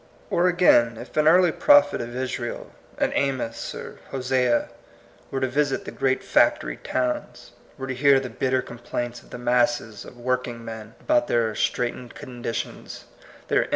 Or again, if an early prophet of Israel, an Amos or Hosea, were to visit the great factory towns, were to hear the bitter com* plaints of the masses of working men about their straitened conditions, their in.